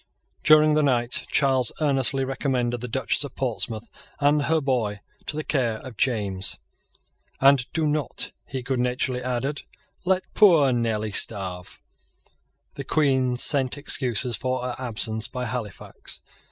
During the night Charles earnestly recommended the Duchess of Portsmouth and her boy to the care of James; "And do not," he good naturedly added, "let poor Nelly starve." The Queen sent excuses for her absence by Halifax.